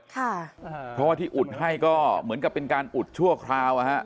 เพราะว่าที่อุดให้ก็เหมือนกับเป็นการอุดชั่วคราวอ่ะฮะ